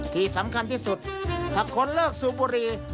ที่สำคัญที่สุดถ้าคนเลิกสูบบุรี